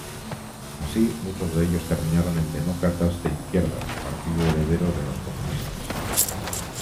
Así, muchos de ellos terminaron en Demócratas de Izquierda, partido heredero de los comunistas.